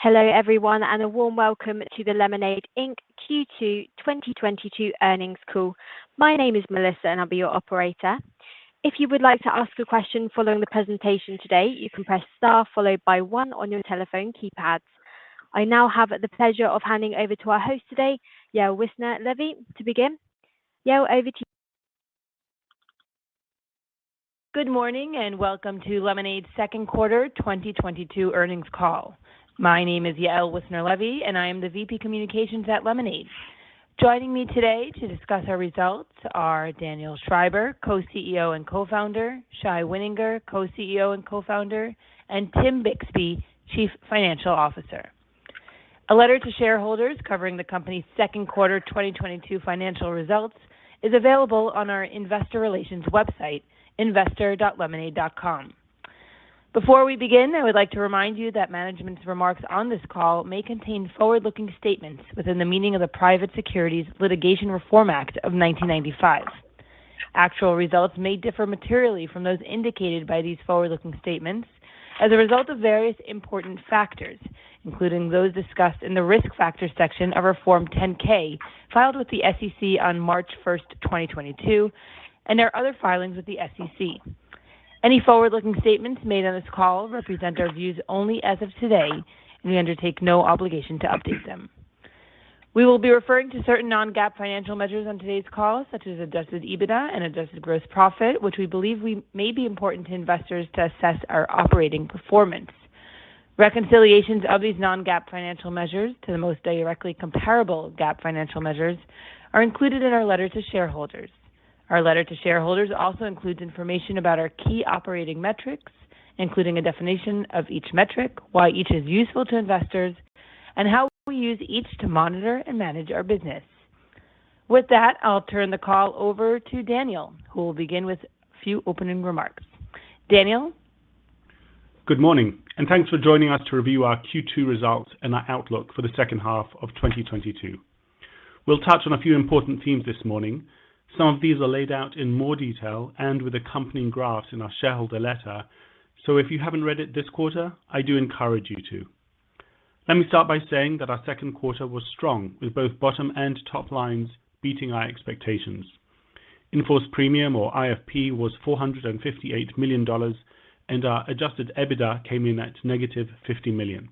Hello everyone, and a warm welcome to the Lemonade Inc. Q2 2022 Earnings Call. My name is Melissa and I'll be your operator. If you would like to ask a question following the presentation today, you can press star followed by one on your telephone keypads. I now have the pleasure of handing over to our host today, Yael Wissner-Levy to begin. Yael, over to you. Good morning and welcome to Lemonade Second Quarter 2022 Earnings Call. My name is Yael Wissner-Levy and I am the VP Communications at Lemonade. Joining me today to discuss our results are Daniel Schreiber, Co-CEO and Co-Founder, Shai Wininger, Co-CEO and Co-Founder, and Tim Bixby, Chief Financial Officer. A letter to shareholders covering the company's second quarter 2022 financial results is available on our investor relations website, investor.lemonade.com. Before we begin, I would like to remind you that management's remarks on this call may contain forward-looking statements within the meaning of the Private Securities Litigation Reform Act of 1995. Actual results may differ materially from those indicated by these forward-looking statements as a result of various important factors, including those discussed in the Risk Factors section of our Form 10-K filed with the SEC on March 1, 2022, and our other filings with the SEC. Any forward-looking statements made on this call represent our views only as of today, and we undertake no obligation to update them. We will be referring to certain non-GAAP financial measures on today's call, such as adjusted EBITDA and adjusted gross profit, which we believe may be important to investors to assess our operating performance. Reconciliations of these non-GAAP financial measures to the most directly comparable GAAP financial measures are included in our letter to shareholders. Our letter to shareholders also includes information about our key operating metrics, including a definition of each metric, why each is useful to investors, and how we use each to monitor and manage our business. With that, I'll turn the call over to Daniel, who will begin with a few opening remarks. Daniel. Good morning, and thanks for joining us to review our Q2 results and our outlook for the second half of 2022. We'll touch on a few important themes this morning. Some of these are laid out in more detail and with accompanying graphs in our shareholder letter. If you haven't read it this quarter, I do encourage you to. Let me start by saying that our second quarter was strong, with both bottom and top lines beating our expectations. In-force premium or IFP was $458 million and our adjusted EBITDA came in at negative $50 million.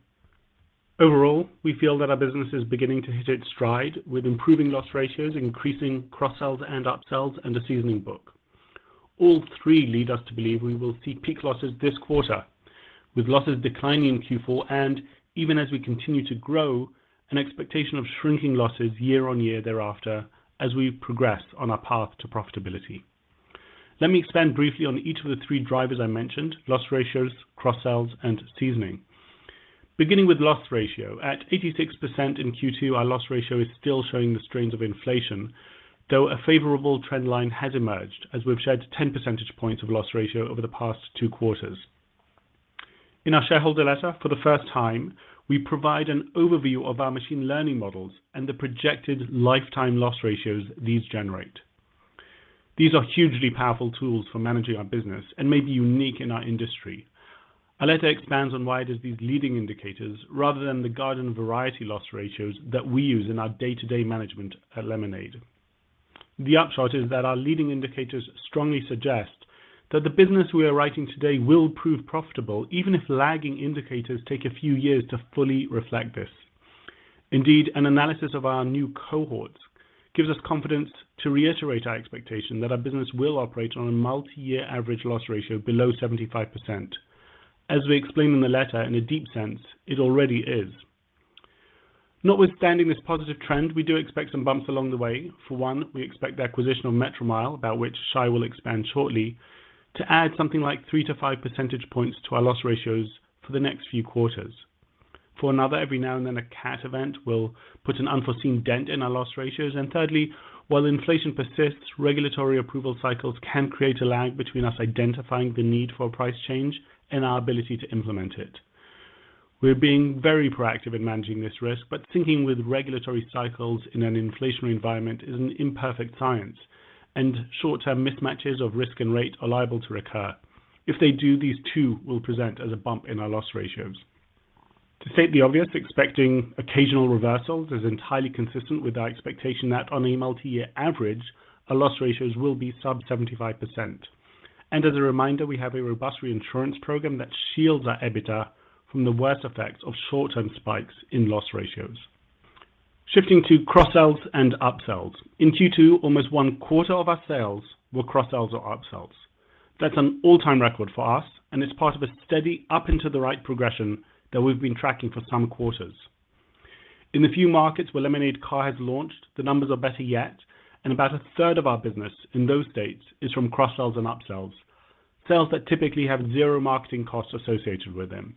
Overall, we feel that our business is beginning to hit its stride with improving loss ratios, increasing cross-sells and upsells, and a seasoning book. All three lead us to believe we will see peak losses this quarter, with losses declining in Q4 and even as we continue to grow, an expectation of shrinking losses year on year thereafter as we progress on our path to profitability. Let me expand briefly on each of the three drivers I mentioned. Loss ratios, cross-sells, and seasoning. Beginning with loss ratio, at 86% in Q2, our loss ratio is still showing the strains of inflation, though a favorable trend line has emerged as we've shed 10 percentage points of loss ratio over the past two quarters. In our shareholder letter, for the first time, we provide an overview of our machine learning models and the projected lifetime loss ratios these generate. These are hugely powerful tools for managing our business and may be unique in our industry. Our letter expands on why it is these leading indicators rather than the garden-variety loss ratios that we use in our day-to-day management at Lemonade. The upshot is that our leading indicators strongly suggest that the business we are writing today will prove profitable, even if lagging indicators take a few years to fully reflect this. Indeed, an analysis of our new cohorts gives us confidence to reiterate our expectation that our business will operate on a multi-year average loss ratio below 75%. As we explain in the letter in a deep sense, it already is. Notwithstanding this positive trend, we do expect some bumps along the way. For one, we expect the acquisition of Metromile, about which Shai will expand shortly, to add something like three to five percentage points to our loss ratios for the next few quarters. For another, every now and then, a cat event will put an unforeseen dent in our loss ratios. Thirdly, while inflation persists, regulatory approval cycles can create a lag between us identifying the need for a price change and our ability to implement it. We're being very proactive in managing this risk, but syncing with regulatory cycles in an inflationary environment is an imperfect science, and short-term mismatches of risk and rate are liable to recur. If they do, these too will present as a bump in our loss ratios. To state the obvious, expecting occasional reversals is entirely consistent with our expectation that on a multi-year average, our loss ratios will be sub 75%. As a reminder, we have a robust reinsurance program that shields our EBITDA from the worst effects of short-term spikes in loss ratios. Shifting to cross-sells and upsells. In Q2, almost one-quarter of our sales were cross-sells or upsells. That's an all-time record for us, and it's part of a steady up into the right progression that we've been tracking for some quarters. In the few markets where Lemonade Car has launched, the numbers are better yet, and about a third of our business in those states is from cross-sells and upsells, sales that typically have zero marketing costs associated with them.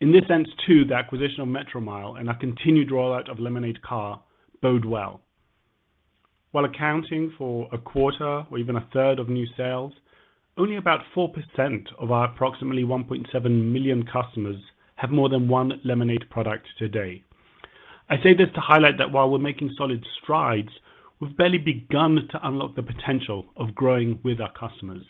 In this sense, too, the acquisition of Metromile and our continued rollout of Lemonade Car bode well. While accounting for a quarter or even a third of new sales, only about 4% of our approximately 1.7 million customers have more than one Lemonade product today. I say this to highlight that while we're making solid strides, we've barely begun to unlock the potential of growing with our customers.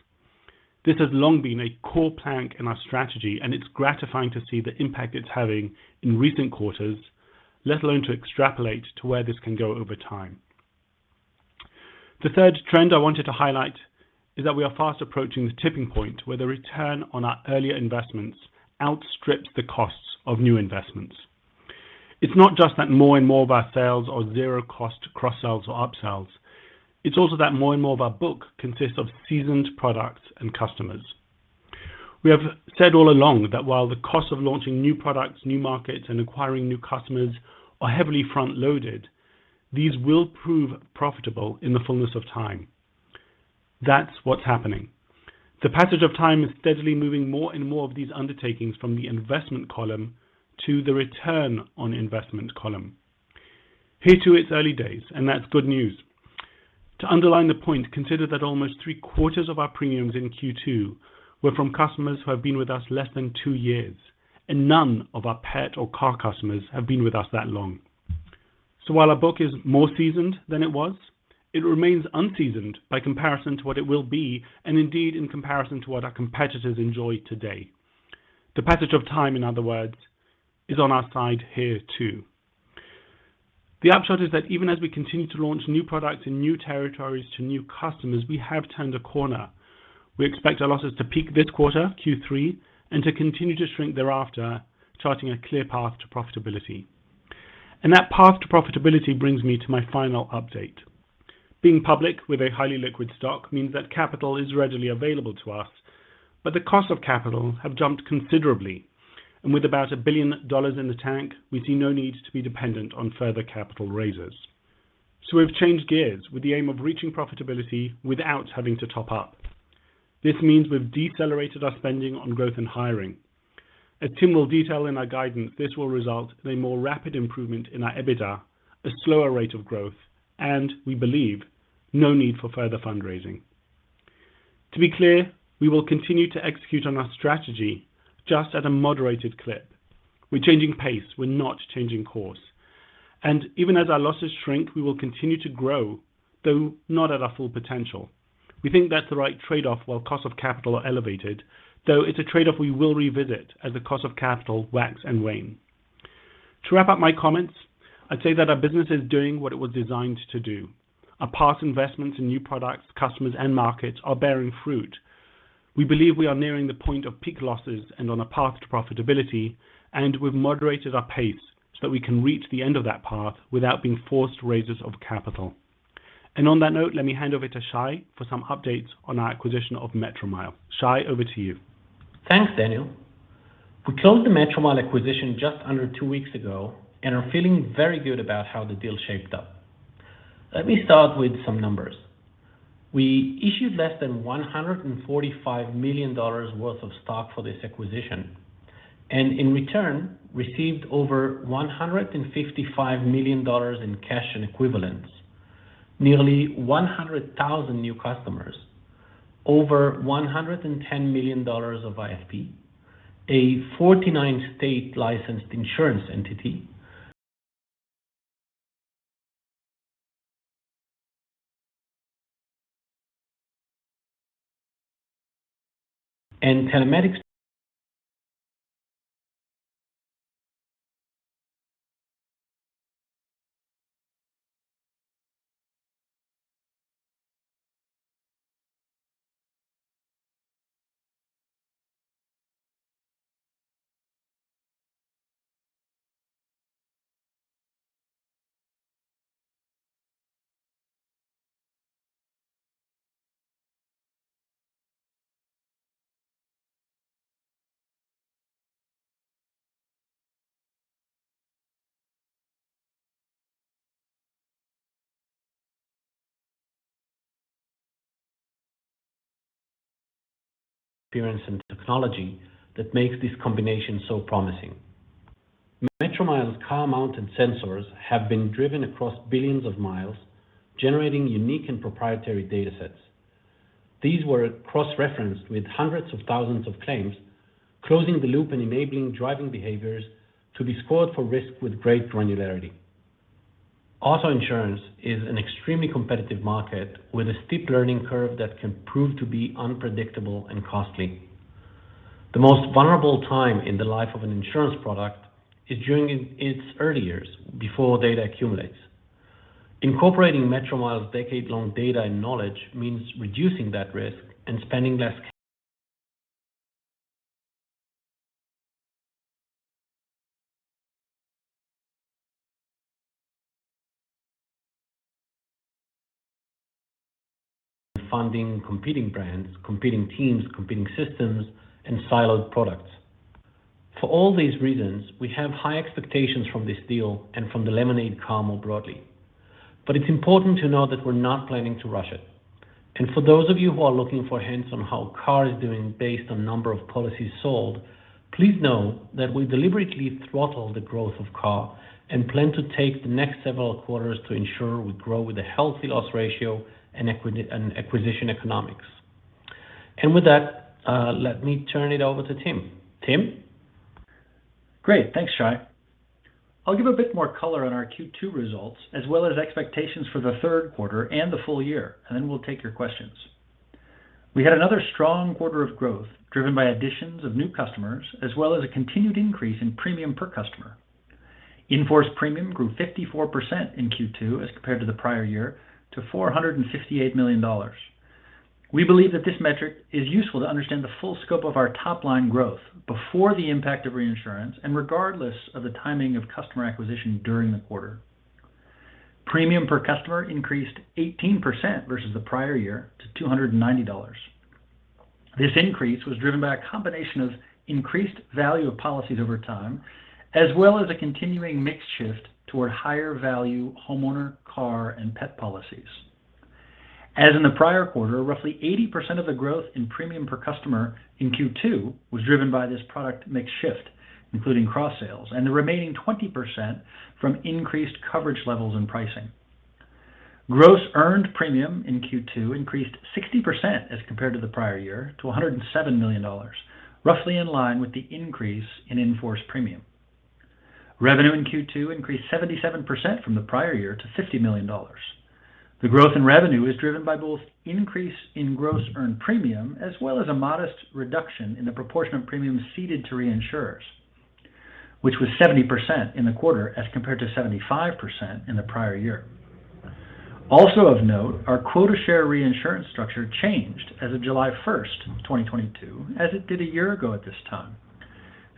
This has long been a core plank in our strategy, and it's gratifying to see the impact it's having in recent quarters, let alone to extrapolate to where this can go over time. The third trend I wanted to highlight is that we are fast approaching the tipping point where the return on our earlier investments outstrips the costs of new investments. It's not just that more and more of our sales are zero-cost cross-sells or up-sells. It's also that more and more of our book consists of seasoned products and customers. We have said all along that while the cost of launching new products, new markets, and acquiring new customers are heavily front-loaded, these will prove profitable in the fullness of time. That's what's happening. The passage of time is steadily moving more and more of these undertakings from the investment column to the return on investment column. Here too it's early days, and that's good news. To underline the point, consider that almost three-quarters of our premiums in Q2 were from customers who have been with us less than two years, and none of our pet or car customers have been with us that long. So while our book is more seasoned than it was, it remains unseasoned by comparison to what it will be, and indeed in comparison to what our competitors enjoy today. The passage of time, in other words, is on our side here too. The upshot is that even as we continue to launch new products in new territories to new customers, we have turned a corner. We expect our losses to peak this quarter, Q3, and to continue to shrink thereafter, charting a clear path to profitability. That path to profitability brings me to my final update. Being public with a highly liquid stock means that capital is readily available to us, but the cost of capital have jumped considerably. With about $1 billion in the tank, we see no need to be dependent on further capital raises. We've changed gears with the aim of reaching profitability without having to top up. This means we've decelerated our spending on growth and hiring. As Tim will detail in our guidance, this will result in a more rapid improvement in our EBITDA, a slower rate of growth, and we believe no need for further fundraising. To be clear, we will continue to execute on our strategy just at a moderated clip. We're changing pace. We're not changing course. Even as our losses shrink, we will continue to grow, though not at our full potential. We think that's the right trade-off while cost of capital are elevated, though it's a trade-off we will revisit as the cost of capital wax and wane. To wrap up my comments, I'd say that our business is doing what it was designed to do. Our past investments in new products, customers, and markets are bearing fruit. We believe we are nearing the point of peak losses and on a path to profitability, and we've moderated our pace so that we can reach the end of that path without being forced raises of capital. On that note, let me hand over to Shai for some updates on our acquisition of Metromile. Shai, over to you. Thanks, Daniel. We closed the Metromile acquisition just under two weeks ago and are feeling very good about how the deal shaped up. Let me start with some numbers. We issued less than $145 million worth of stock for this acquisition, and in return, received over $155 million in cash and equivalents, nearly 100,000 new customers, over $110 million of IFP, a 49-state licensed insurance entity and telematics experience and technology that makes this combination so promising. Metromile's car-mounted sensors have been driven across billions of miles, generating unique and proprietary data sets. These were cross-referenced with hundreds of thousands of claims, closing the loop and enabling driving behaviors to be scored for risk with great granularity. Auto insurance is an extremely competitive market with a steep learning curve that can prove to be unpredictable and costly. The most vulnerable time in the life of an insurance product is during its early years before data accumulates. Incorporating Metromile's decade-long data and knowledge means reducing that risk and spending less and funding competing brands, competing teams, competing systems, and siloed products. For all these reasons, we have high expectations from this deal and from the Lemonade Car more broadly. It's important to know that we're not planning to rush it. For those of you who are looking for hints on how car is doing based on number of policies sold, please know that we deliberately throttle the growth of car and plan to take the next several quarters to ensure we grow with a healthy loss ratio and acquisition economics. With that, let me turn it over to Tim. Tim? Great. Thanks, Shai. I'll give a bit more color on our Q2 results, as well as expectations for the third quarter and the full year, and then we'll take your questions. We had another strong quarter of growth driven by additions of new customers, as well as a continued increase in premium per customer. In-force premium grew 54% in Q2 as compared to the prior year to $468 million. We believe that this metric is useful to understand the full scope of our top-line growth before the impact of reinsurance, and regardless of the timing of customer acquisition during the quarter. Premium per customer increased 18% versus the prior year to $290. This increase was driven by a combination of increased value of policies over time, as well as a continuing mix shift toward higher value homeowners, car, and pet policies. As in the prior quarter, roughly 80% of the growth in premium per customer in Q2 was driven by this product mix shift, including cross-sales and the remaining 20% from increased coverage levels and pricing. Gross earned premium in Q2 increased 60% as compared to the prior year to $107 million, roughly in line with the increase in in-force premium. Revenue in Q2 increased 77% from the prior year to $50 million. The growth in revenue is driven by both increase in gross earned premium, as well as a modest reduction in the proportion of premiums ceded to reinsurers, which was 70% in the quarter as compared to 75% in the prior year. Also of note, our quota share reinsurance structure changed as of July 1st, 2022, as it did a year ago at this time,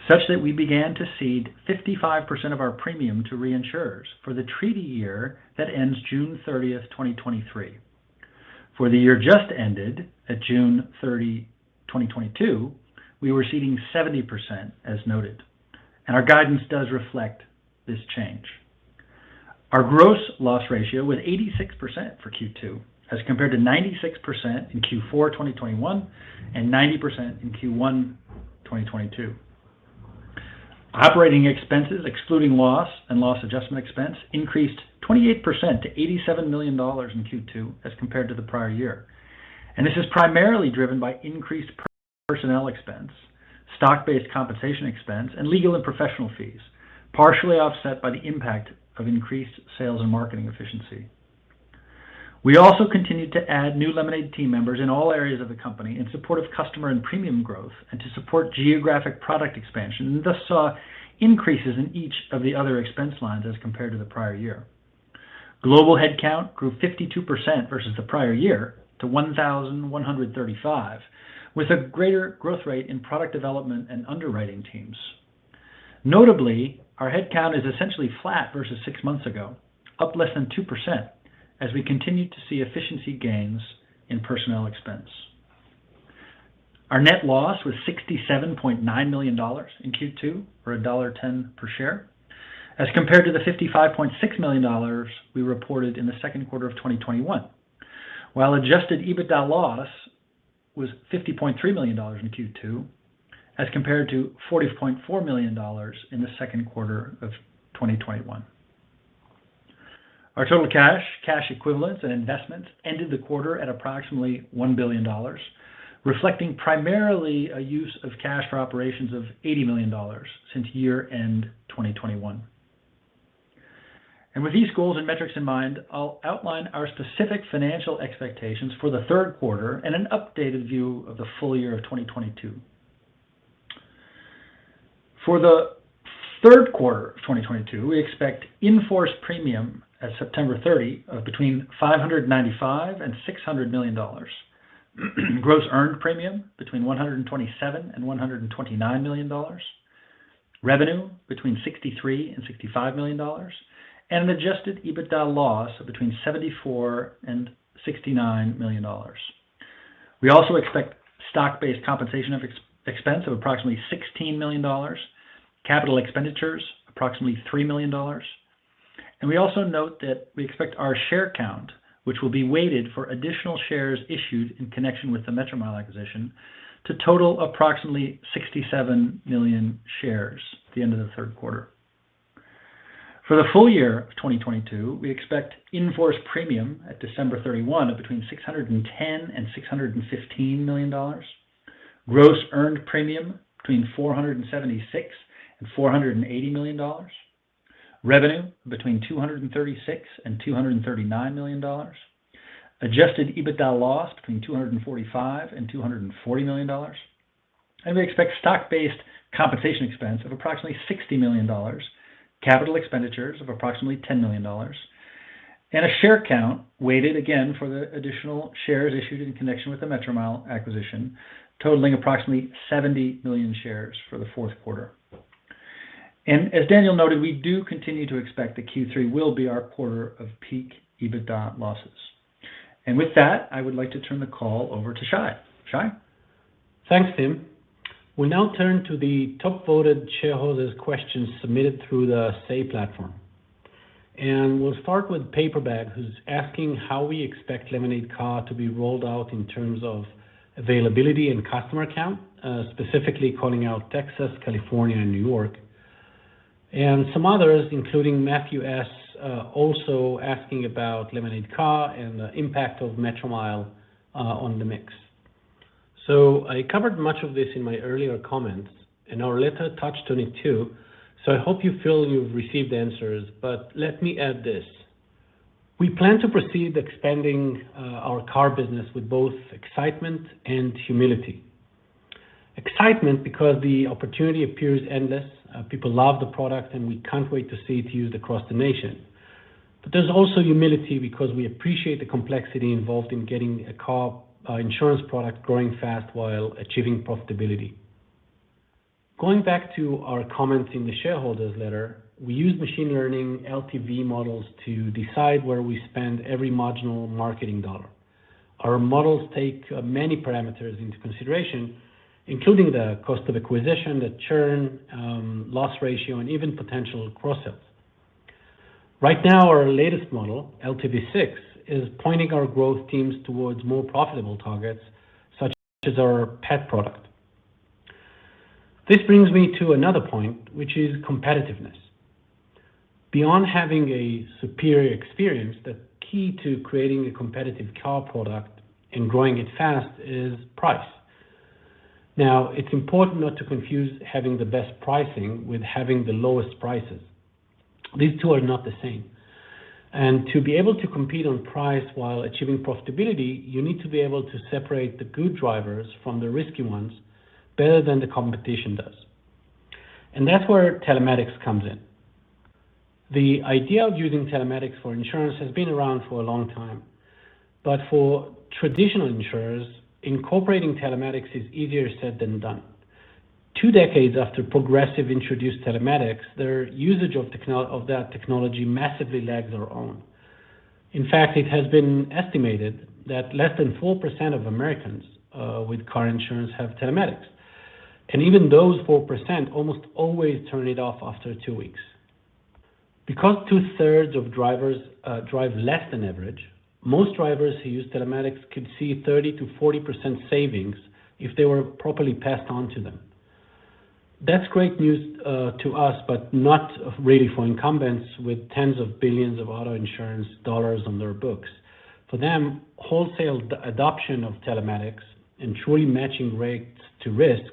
such that we began to cede 55% of our premium to reinsurers for the treaty year that ends June 30, 2023. For the year just ended at June 30, 2022, we were ceding 70% as noted, and our guidance does reflect this change. Our gross loss ratio was 86% for Q2 as compared to 96% in Q4 2021 and 90% in Q1 2022. Operating expenses, excluding loss and loss adjustment expense, increased 28% to $87 million in Q2 as compared to the prior year. This is primarily driven by increased personnel expense, stock-based compensation expense, and legal and professional fees, partially offset by the impact of increased sales and marketing efficiency. We also continued to add new Lemonade team members in all areas of the company in support of customer and premium growth and to support geographic product expansion, and thus saw increases in each of the other expense lines as compared to the prior year. Global headcount grew 52% versus the prior year to 1,135, with a greater growth rate in product development and underwriting teams. Notably, our headcount is essentially flat versus six months ago, up less than 2% as we continue to see efficiency gains in personnel expense. Our net loss was $67.9 million in Q2, or $1.10 per share, as compared to the $55.6 million we reported in the second quarter of 2021. While adjusted EBITDA loss was $50.3 million in Q2 as compared to $40.4 million in the second quarter of 2021. Our total cash equivalents, and investments ended the quarter at approximately $1 billion, reflecting primarily a use of cash for operations of $80 million since year-end 2021. With these goals and metrics in mind, I'll outline our specific financial expectations for the third quarter and an updated view of the full year of 2022. For the third quarter of 2022, we expect in-force premium at September 30 of between $595 million and $600 million. Gross earned premium between $127 million and $129 million. Revenue between $63 million and $65 million. An adjusted EBITDA loss of between $74 million and $69 million. We also expect stock-based compensation expense of approximately $16 million, capital expenditures approximately $3 million. We also note that we expect our share count, which will be weighted for additional shares issued in connection with the Metromile acquisition to total approximately 67 million shares at the end of the third quarter. For the full year of 2022, we expect in-force premium at December 31 of between $610 million and $615 million. Gross earned premium between $476 million and $480 million. Revenue between $236 million and $239 million. Adjusted EBITDA loss between $245 million and $240 million. We expect stock-based compensation expense of approximately $60 million, capital expenditures of approximately $10 million, and a share count weighted again for the additional shares issued in connection with the Metromile acquisition, totaling approximately 70 million shares for the fourth quarter. As Daniel noted, we do continue to expect that Q3 will be our quarter of peak EBITDA losses. With that, I would like to turn the call over to Shai. Shai? Thanks, Tim. We now turn to the top-voted shareholders questions submitted through the Say platform. We'll start with Paper Bag, who's asking how we expect Lemonade Car to be rolled out in terms of availability and customer count, specifically calling out Texas, California, and New York. Some others, including Matthew S. also asking about Lemonade Car and the impact of Metromile on the mix. I covered much of this in my earlier comments, and our letter touched on it too, so I hope you feel you've received answers, but let me add this. We plan to proceed expanding our car business with both excitement and humility. Excitement because the opportunity appears endless. People love the product and we can't wait to see it used across the nation. There's also humility because we appreciate the complexity involved in getting a car insurance product growing fast while achieving profitability. Going back to our comments in the shareholder's letter, we use machine learning LTV models to decide where we spend every marginal marketing dollar. Our models take many parameters into consideration, including the cost of acquisition, the churn, loss ratio, and even potential cross-sells. Right now, our latest model, LTV6, is pointing our growth teams towards more profitable targets, such as our pet product. This brings me to another point, which is competitiveness. Beyond having a superior experience, the key to creating a competitive car product and growing it fast is price. Now, it's important not to confuse having the best pricing with having the lowest prices. These two are not the same. To be able to compete on price while achieving profitability, you need to be able to separate the good drivers from the risky ones better than the competition does. That's where telematics comes in. The idea of using telematics for insurance has been around for a long time. For traditional insurers, incorporating telematics is easier said than done. Two decades after Progressive introduced telematics, their usage of that technology massively lags their own. In fact, it has been estimated that less than 4% of Americans with car insurance have telematics. Even those 4% almost always turn it off after two weeks. Because two-thirds of drivers drive less than average, most drivers who use telematics could see 30%-40% savings if they were properly passed on to them. That's great news to us, but not really for incumbents with tens of billions of auto insurance dollars on their books. For them, wholesale adoption of telematics and truly matching rates to risk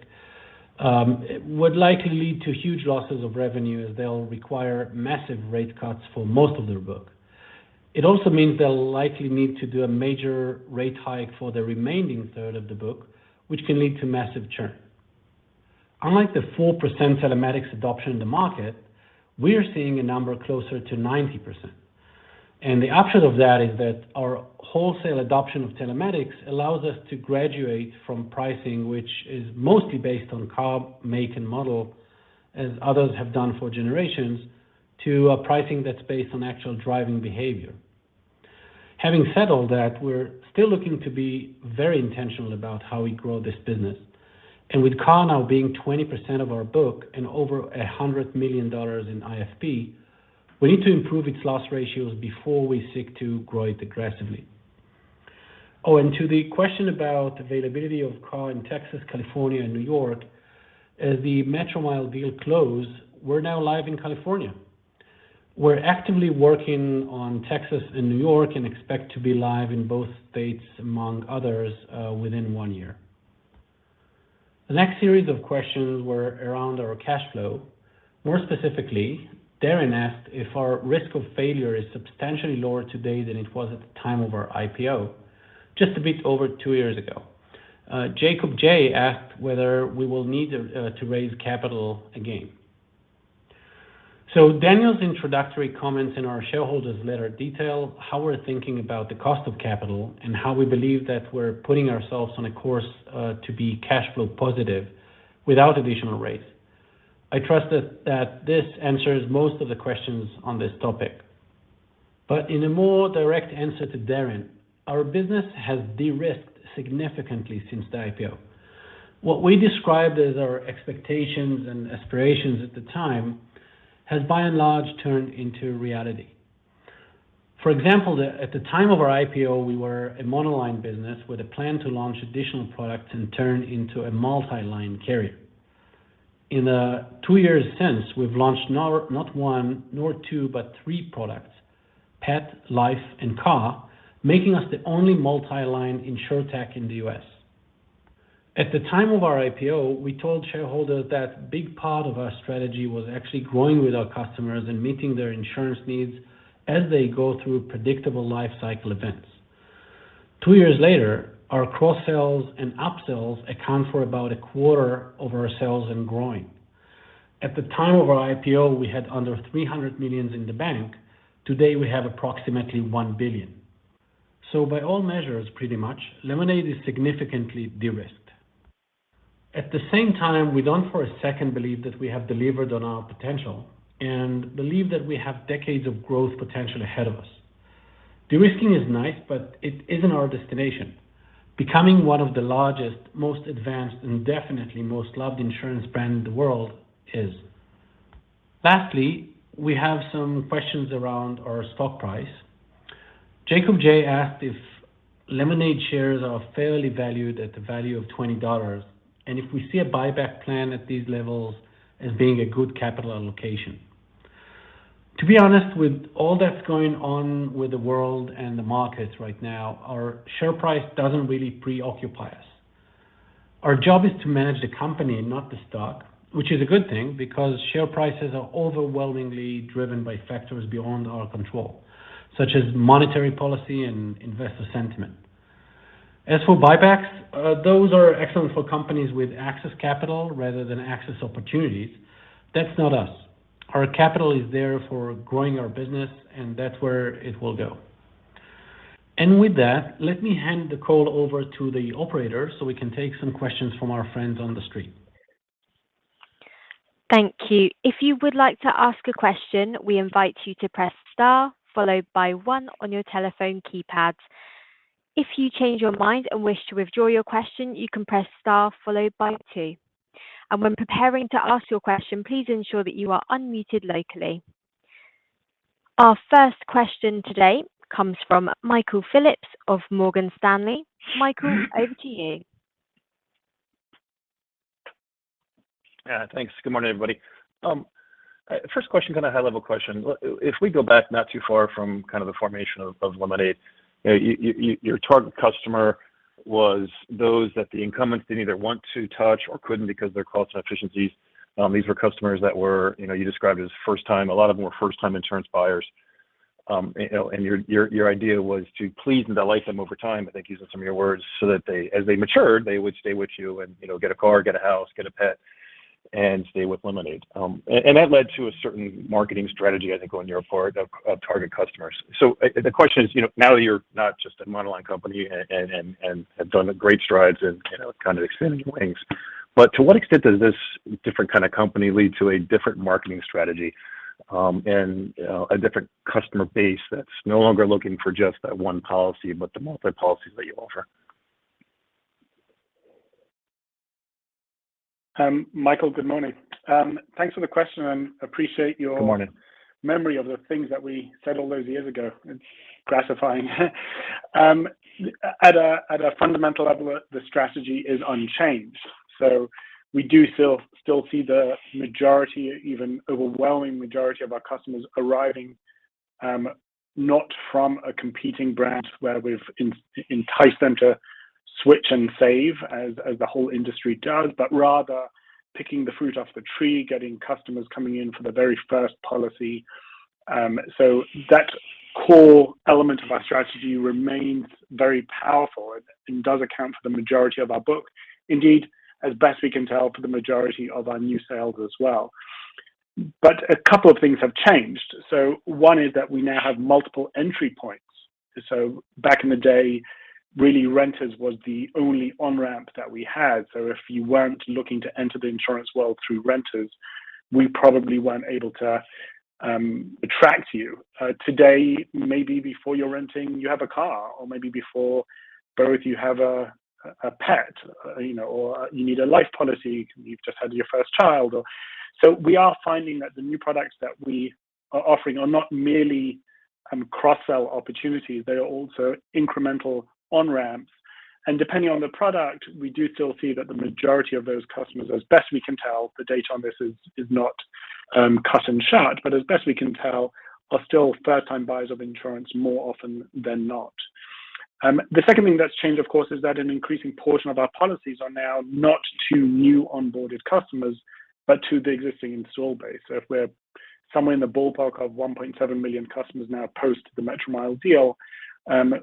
would likely lead to huge losses of revenue as they'll require massive rate cuts for most of their book. It also means they'll likely need to do a major rate hike for the remaining third of the book, which can lead to massive churn. Unlike the 4% telematics adoption in the market, we are seeing a number closer to 90%. The upshot of that is that our wholesale adoption of telematics allows us to graduate from pricing, which is mostly based on car, make, and model, as others have done for generations, to a pricing that's based on actual driving behavior. Having said all that, we're still looking to be very intentional about how we grow this business. With Car now being 20% of our book and over $100 million in IFP, we need to improve its loss ratios before we seek to grow it aggressively. Oh, and to the question about availability of Car in Texas, California, and New York, as the Metromile deal closed, we're now live in California. We're actively working on Texas and New York and expect to be live in both states, among others, within one year. The next series of questions were around our cash flow. More specifically, Darrin asked if our risk of failure is substantially lower today than it was at the time of our IPO, just a bit over two years ago. Jacob J. asked whether we will need to raise capital again. Daniel's introductory comments in our shareholders letter detail how we're thinking about the cost of capital and how we believe that we're putting ourselves on a course to be cash flow positive without additional raise. I trust that this answers most of the questions on this topic. In a more direct answer to Darrin, our business has de-risked significantly since the IPO. What we described as our expectations and aspirations at the time has by and large turned into reality. For example, at the time of our IPO, we were a monoline business with a plan to launch additional products and turn into a multi-line carrier. In the two years since, we've launched not one nor two, but three products, pet, life, and car, making us the only multi-line insurtech in the U.S. At the time of our IPO, we told shareholders that big part of our strategy was actually growing with our customers and meeting their insurance needs as they go through predictable life cycle events. Two years later, our cross-sells and up-sells account for about a quarter of our sales and growing. At the time of our IPO, we had under $300 million in the bank. Today, we have approximately $1 billion. By all measures, pretty much, Lemonade is significantly de-risked. At the same time, we don't for a second believe that we have delivered on our potential and believe that we have decades of growth potential ahead of us. De-risking is nice, but it isn't our destination. Becoming one of the largest, most advanced, and definitely most loved insurance brand in the world is. Lastly, we have some questions around our stock price. Jacob J. asked if Lemonade shares are fairly valued at the value of $20 and if we see a buyback plan at these levels as being a good capital allocation. To be honest, with all that's going on with the world and the markets right now, our share price doesn't really preoccupy us. Our job is to manage the company, not the stock, which is a good thing because share prices are overwhelmingly driven by factors beyond our control, such as monetary policy and investor sentiment. As for buybacks, those are excellent for companies with access capital rather than access opportunities. That's not us. Our capital is there for growing our business, and that's where it will go. With that, let me hand the call over to the operator, so we can take some questions from our friends on the street. Thank you. If you would like to ask a question, we invite you to press star followed by one on your telephone keypad. If you change your mind and wish to withdraw your question, you can press star followed by two. When preparing to ask your question, please ensure that you are unmuted locally. Our first question today comes from Michael Phillips of Morgan Stanley. Michael, over to you. Yeah, thanks. Good morning, everybody. First question, kind of high level question. If we go back not too far from kind of the formation of Lemonade, you know, your target customer was those that the incumbents didn't either want to touch or couldn't because of their cost efficiencies. These were customers that were, you know, you described as first-time. A lot of them were first-time insurance buyers. You know, your idea was to please and delight them over time, I think, using some of your words, so that they as they matured, they would stay with you and, you know, get a car, get a house, get a pet, and stay with Lemonade. That led to a certain marketing strategy, I think, on your part of target customers. The question is, you know, now that you're not just a monoline company and have done great strides and, you know, kind of expanding your wings, but to what extent does this different kind of company lead to a different marketing strategy, and a different customer base that's no longer looking for just that one policy, but the multiple policies that you offer? Michael, good morning. Thanks for the question and appreciate your- Good morning. Memory of the things that we said all those years ago. It's gratifying. At a fundamental level, the strategy is unchanged. We do still see the majority, even overwhelming majority of our customers arriving, not from a competing brand where we've enticed them to switch and save as the whole industry does, but rather picking the fruit off the tree, getting customers coming in for the very first policy. That core element of our strategy remains very powerful and does account for the majority of our book. Indeed, as best we can tell, for the majority of our new sales as well. A couple of things have changed. One is that we now have multiple entry points. Back in the day, really renters was the only on-ramp that we had. If you weren't looking to enter the insurance world through renters, we probably weren't able to attract you. Today, maybe before you're renting, you have a car or maybe before both you have a pet, you know, or you need a life policy, you've just had your first child or. We are finding that the new products that we are offering are not merely cross-sell opportunities, they are also incremental on-ramps. Depending on the product, we do still see that the majority of those customers, as best we can tell, the data on this is not cut and shut, but as best we can tell, are still first-time buyers of insurance more often than not. The second thing that's changed, of course, is that an increasing portion of our policies are now not to new onboarded customers, but to the existing install base. If we're somewhere in the ballpark of 1.7 million customers now post the Metromile deal,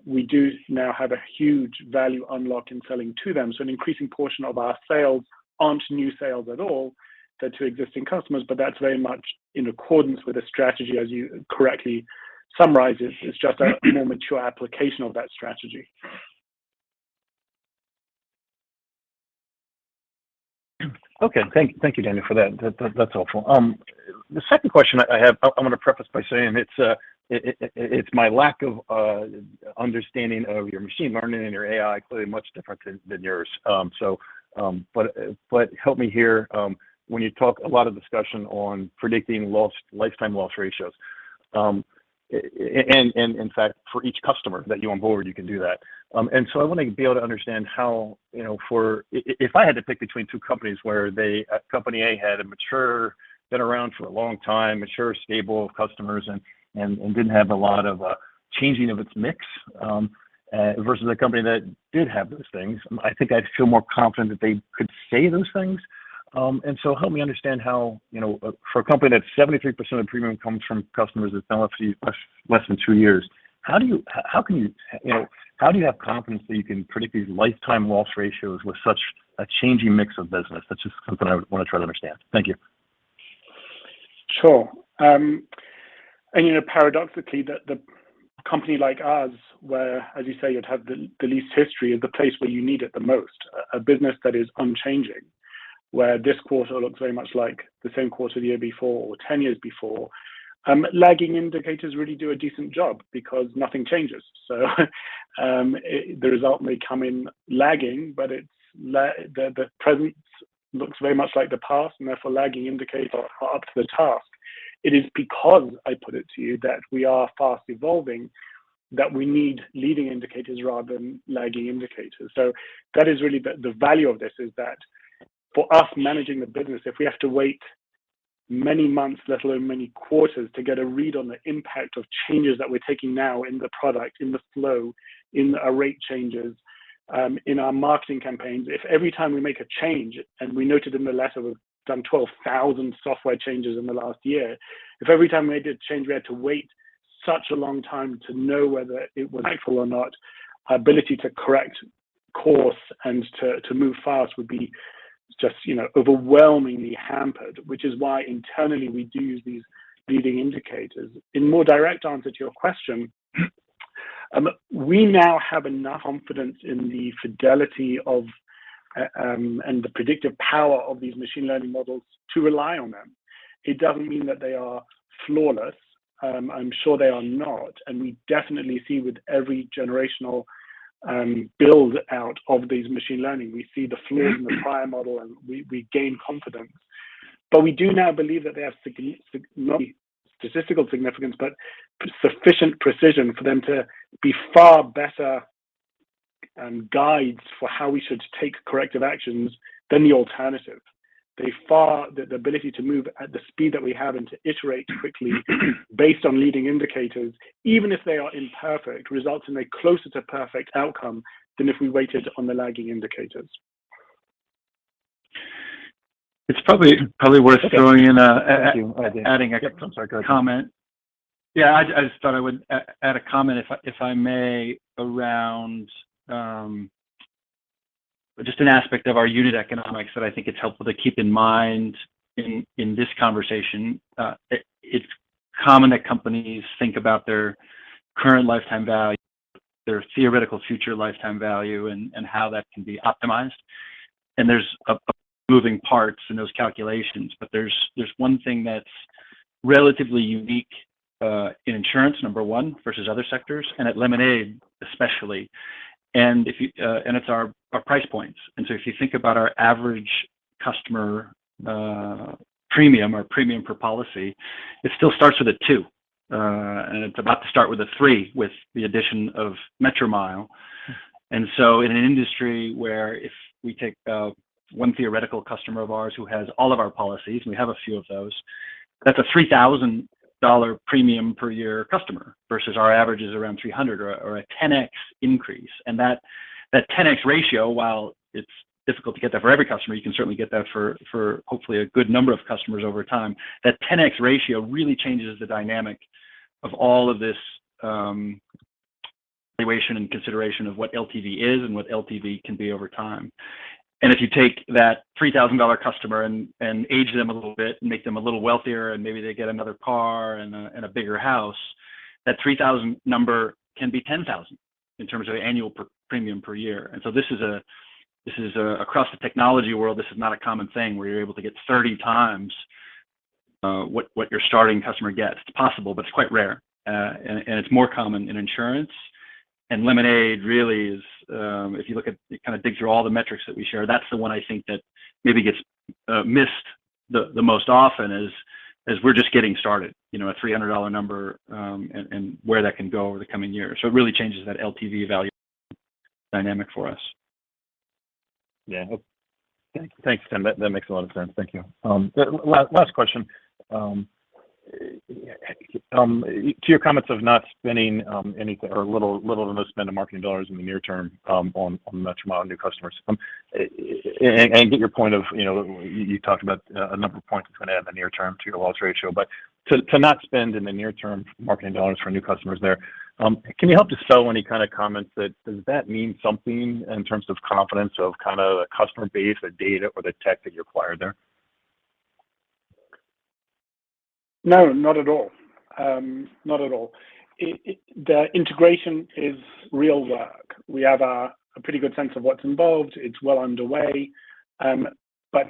we do now have a huge value unlock in selling to them. An increasing portion of our sales aren't new sales at all. They're to existing customers, but that's very much in accordance with the strategy, as you correctly summarize it. It's just a more mature application of that strategy. Okay. Thank you, Daniel, for that. That's helpful. The second question I have, I'm gonna preface by saying it's my lack of understanding of your machine learning and your AI, clearly much different than yours. Help me here, when you talk a lot of discussion on predicting lifetime loss ratios, and in fact, for each customer that you onboard, you can do that. I wanna be able to understand how, you know, if I had to pick between two companies where they, company A had a mature, been around for a long time, mature stable of customers and didn't have a lot of changing of its mix, versus a company that did have those things, I think I'd feel more confident that they could say those things. Help me understand how, you know, for a company that 73% of premium comes from customers that's been with you less than two years, how do you, how can you know, how do you have confidence that you can predict these lifetime loss ratios with such a changing mix of business? That's just something I would wanna try to understand. Thank you. Sure. You know, paradoxically, the company like ours, where, as you say, you'd have the least history is the place where you need it the most. A business that is unchanging, where this quarter looks very much like the same quarter the year before or 10 years before, lagging indicators really do a decent job because nothing changes. The result may come in lagging, but it's the present looks very much like the past, and therefore, lagging indicators are up to the task. It is because I put it to you that we are fast evolving, that we need leading indicators rather than lagging indicators. That is really the value of this is that for us managing the business, if we have to wait many months, let alone many quarters, to get a read on the impact of changes that we're taking now in the product, in the flow, in our rate changes, in our marketing campaigns. If every time we make a change, and we noted in the letter we've done 12,000 software changes in the last year, if every time we made a change, we had to wait such a long time to know whether it was rightful or not, our ability to correct course and to move fast would be just, you know, overwhelmingly hampered, which is why internally we do use these leading indicators. In more direct answer to your question, we now have enough confidence in the fidelity of and the predictive power of these machine learning models to rely on them. It doesn't mean that they are flawless. I'm sure they are not, and we definitely see with every generational build-out of these machine learning, we see the flaws in the prior model, and we gain confidence. We do now believe that they have not statistical significance, but sufficient precision for them to be far better guides for how we should take corrective actions than the alternative. The ability to move at the speed that we have and to iterate quickly based on leading indicators, even if they are imperfect, results in a closer to perfect outcome than if we waited on the lagging indicators. It's probably worth throwing in adding a comment. Yep. I'm sorry. Go ahead. Yeah. I just thought I would add a comment if I may, around just an aspect of our unit economics that I think it's helpful to keep in mind in this conversation. It's common that companies think about their current lifetime value, their theoretical future lifetime value, and how that can be optimized. There are moving parts in those calculations. There's one thing that's relatively unique in insurance, number one, versus other sectors, and at Lemonade especially. It's our price points. If you think about our average customer premium or premium per policy, it still starts with a two. It's about to start with a three with the addition of Metromile. In an industry where if we take one theoretical customer of ours who has all of our policies, we have a few of those, that's a $3,000 premium per year customer versus our average is around $300 or a 10x increase. That 10x ratio, while it's difficult to get that for every customer, you can certainly get that for hopefully a good number of customers over time. That 10x ratio really changes the dynamic of all of this evaluation and consideration of what LTV is and what LTV can be over time. If you take that $3,000 customer and age them a little bit and make them a little wealthier and maybe they get another car and a bigger house, that $3,000 number can be $10,000 in terms of annual premium per year. This is across the technology world. This is not a common thing where you're able to get 30x what your starting customer gets. It's possible, but it's quite rare. It's more common in insurance. Lemonade really is, if you look at. Kind of dig through all the metrics that we share, that's the one I think that maybe gets missed the most often is we're just getting started, you know, a $300 number, and where that can go over the coming years. It really changes that LTV value dynamic for us. Yeah. Thanks, Tim. That makes a lot of sense. Thank you. Last question. To your comments of not spending any or little to no spend of marketing dollars in the near term on Metromile new customers. I get your point of, you know, you talked about a number of points it's gonna have in the near term to your wallet share. To not spend in the near term marketing dollars for new customers there, can you help just shed any kind of light on what that means in terms of confidence of the customer base, the data or the tech that you acquired there? No, not at all. Not at all. The integration is real work. We have a pretty good sense of what's involved. It's well underway.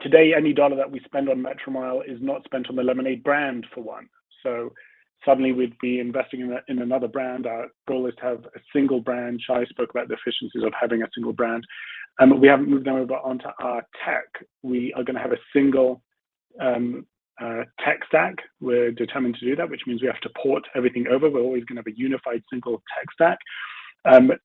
Today, any dollar that we spend on Metromile is not spent on the Lemonade brand for one. Suddenly we'd be investing in another brand. Our goal is to have a single brand. Shai spoke about the efficiencies of having a single brand. We haven't moved them over onto our tech. We are gonna have a single tech stack. We're determined to do that, which means we have to port everything over. We're always gonna have a unified single tech stack.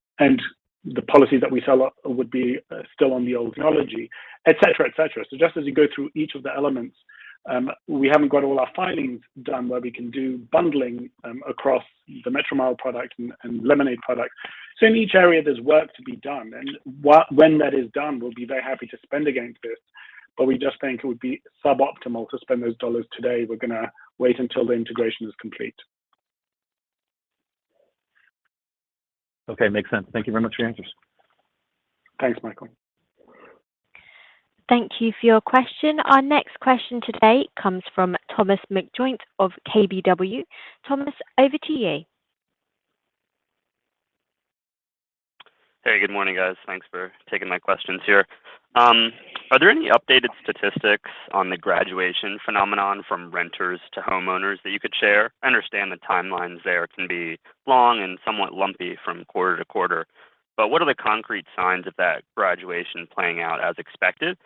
The policies that we sell would be still on the old technology, et cetera, et cetera. Just as you go through each of the elements, we haven't got all our filings done where we can do bundling across the Metromile product and Lemonade product. In each area, there's work to be done. When that is done, we'll be very happy to spend against this. We just think it would be suboptimal to spend those dollars today. We're gonna wait until the integration is complete. Okay. Makes sense. Thank you very much for your answers. Thanks, Michael. Thank you for your question. Our next question today comes from Thomas McJoynt of KBW. Thomas, over to you. Hey, good morning, guys. Thanks for taking my questions here. Are there any updated statistics on the graduation phenomenon from renters to homeowners that you could share? I understand the timelines there can be long and somewhat lumpy from quarter to quarter, but what are the concrete signs of that graduation playing out as expected?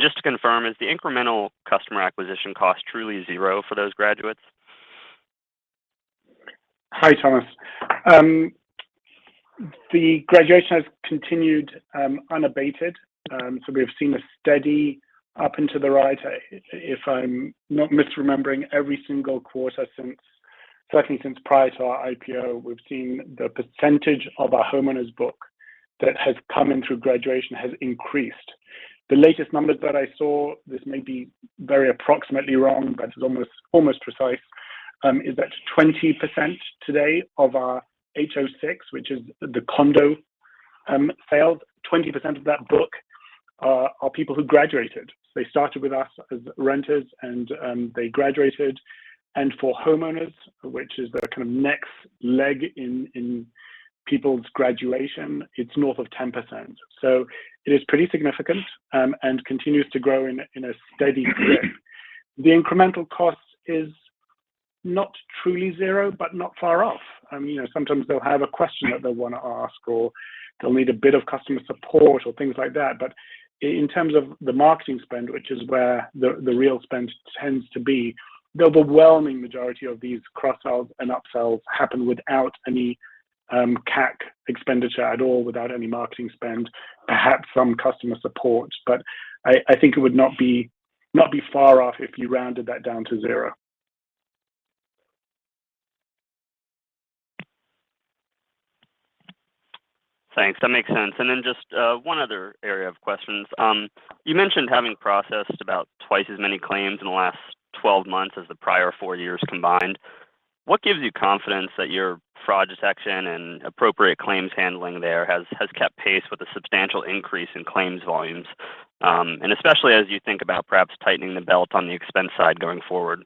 Just to confirm, is the incremental customer acquisition cost truly zero for those graduates? Hi, Thomas. The graduation has continued unabated. We've seen a steady up and to the right, if I'm not misremembering, every single quarter since certainly since prior to our IPO, we've seen the percentage of our homeowners book that has come in through graduation has increased. The latest numbers that I saw, this may be very approximately wrong, but it's almost precise, is that 20% today of our HO6, which is the condo sales. 20% of that book are people who graduated. They started with us as renters and they graduated. For homeowners, which is the kind of next leg in people's graduation, it's north of 10%. It is pretty significant and continues to grow in a steady drip. The incremental cost is not truly zero, but not far off. You know, sometimes they'll have a question that they wanna ask, or they'll need a bit of customer support or things like that. In terms of the marketing spend, which is where the real spend tends to be, the overwhelming majority of these cross-sells and up-sells happen without any CAC expenditure at all, without any marketing spend. Perhaps some customer support, but I think it would not be far off if you rounded that down to zero. Thanks. That makes sense. Just one other area of questions. You mentioned having processed about twice as many claims in the last 12 months as the prior four years combined. What gives you confidence that your fraud detection and appropriate claims handling there has kept pace with a substantial increase in claims volumes, and especially as you think about perhaps tightening the belt on the expense side going forward.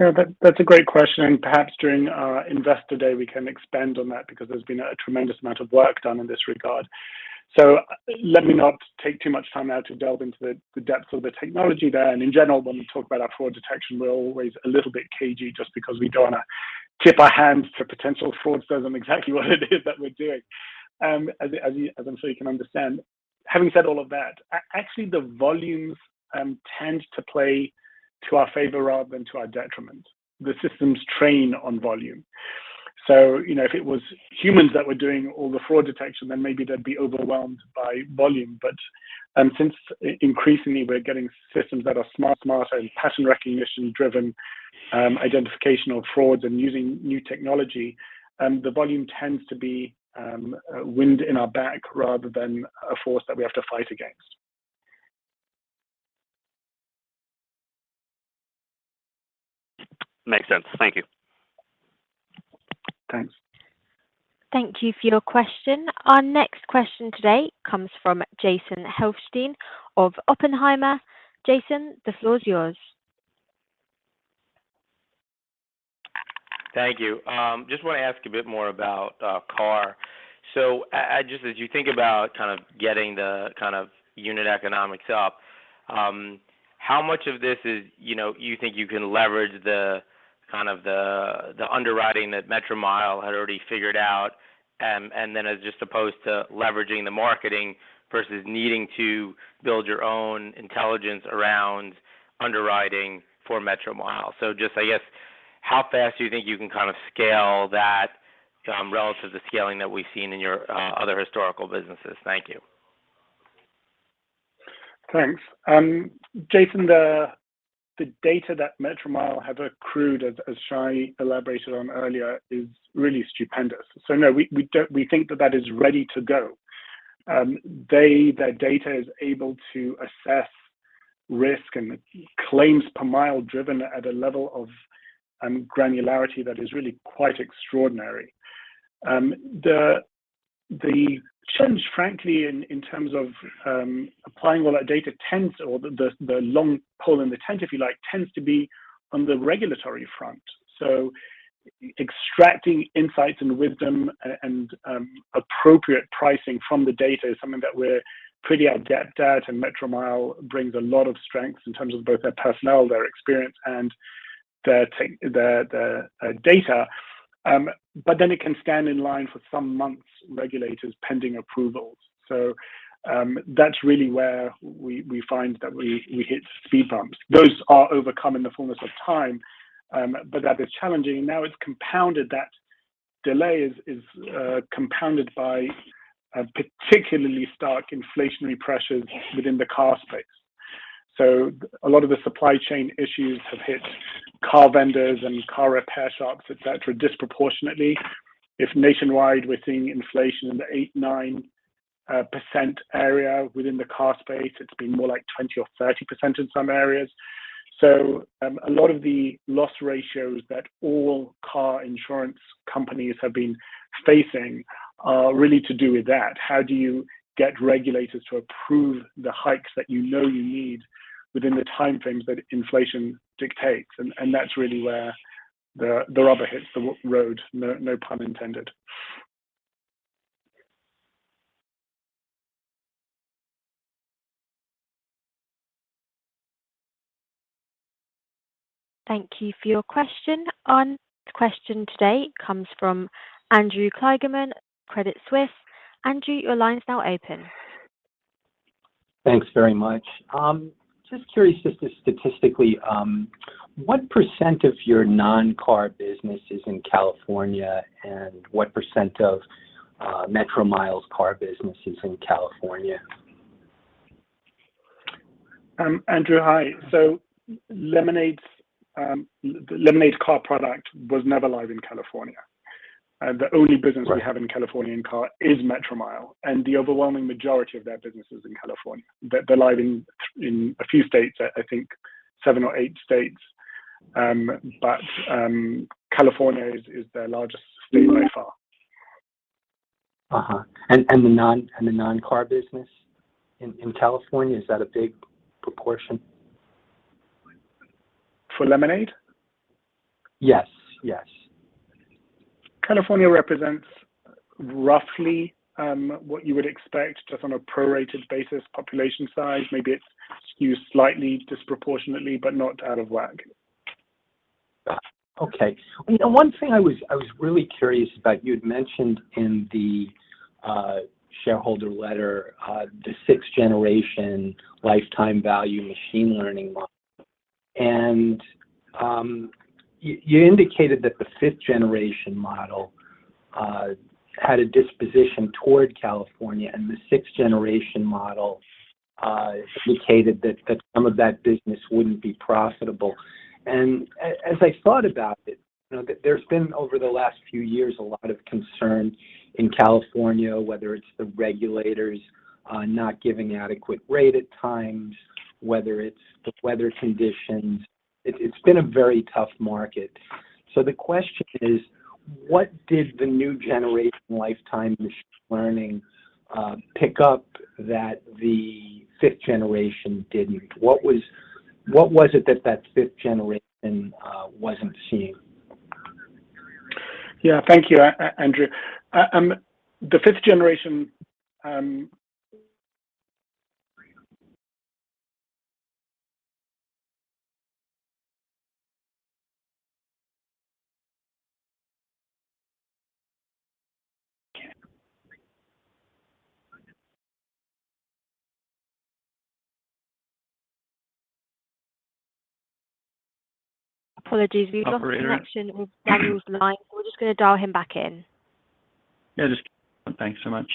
Yeah. That's a great question, and perhaps during our Investor Day, we can expand on that because there's been a tremendous amount of work done in this regard. Let me not take too much time now to delve into the depth of the technology there. In general, when we talk about our fraud detection, we're always a little bit cagey just because we don't wanna tip our hands to potential fraudsters on exactly what it is that we're doing, as I'm sure you can understand. Having said all of that, actually the volumes tend to play to our favor rather than to our detriment. The systems train on volume. You know, if it was humans that were doing all the fraud detection, then maybe they'd be overwhelmed by volume. Since increasingly we're getting systems that are smarter and pattern recognition driven, identification of frauds and using new technology, the volume tends to be a wind in our back rather than a force that we have to fight against. Makes sense. Thank you. Thanks. Thank you for your question. Our next question today comes from Jason Helfstein of Oppenheimer. Jason, the floor is yours. Thank you. Just wanna ask a bit more about, Car. Just as you think about kind of getting the kind of unit economics up, how much of this is, you know, you think you can leverage the kind of the underwriting that Metromile had already figured out, and then as opposed to leveraging the marketing versus needing to build your own intelligence around underwriting for Metromile. Just, I guess, how fast do you think you can kind of scale that, relative to scaling that we've seen in your, other historical businesses? Thank you. Thanks. Jason, the data that Metromile have accrued, as Shai elaborated on earlier, is really stupendous. No, we don't. We think that is ready to go. Their data is able to assess risk and claims per mile driven at a level of granularity that is really quite extraordinary. The challenge, frankly, in terms of applying all that data, tends to be the long pole in the tent, if you like, on the regulatory front. Extracting insights and wisdom and appropriate pricing from the data is something that we're pretty adept at, and Metromile brings a lot of strengths in terms of both their personnel, their experience and their data. Then it can stand in line for some months, regulators pending approvals. That's really where we find that we hit speed bumps. Those are overcome in the fullness of time. That is challenging. Now it's compounded that delay is compounded by a particularly stark inflationary pressures within the car space. A lot of the supply chain issues have hit car vendors and car repair shops, et cetera. If nationwide, we're seeing inflation in the 8%-9% area within the car space, it's been more like 20% or 30% in some areas. A lot of the loss ratios that all car insurance companies have been facing are really to do with that. How do you get regulators to approve the hikes that you know you need within the time frames that inflation dictates? That's really where the rubber hits the road, no pun intended. Thank you for your question. Our next question today comes from Andrew Kligerman of Credit Suisse. Andrew, your line is now open. Thanks very much. Just curious statistically, what percent of your non-car business is in California and what percent of Metromile car business is in California? Andrew, hi. Lemonade's car product was never live in California. The only business we have in California in car is Metromile, and the overwhelming majority of their business is in California. They're live in a few states, I think seven or eight states, but California is their largest state by far. The non-car business in California, is that a big proportion? For Lemonade? Yes. Yes. California represents roughly what you would expect just on a prorated basis, population size, maybe it skews slightly disproportionately, but not out of whack. Got it. Okay. One thing I was really curious about, you'd mentioned in the shareholder letter the 6th generation lifetime value machine learning model. You indicated that the 5th generation model had a disposition toward California and the 6th generation model indicated that some of that business wouldn't be profitable. As I thought about it, you know, there's been over the last few years a lot of concern in California, whether it's the regulators not giving adequate rate at times, whether it's the weather conditions. It's been a very tough market. The question is, what did the new generation lifetime machine learning pick up that the fifth generation didn't? What was it that the fifth generation wasn't seeing? Yeah. Thank you, Andrew. The 5th generation. Apologies. We've lost connection with Daniel's line. We're just gonna dial him back in. Yeah, just. Thanks so much.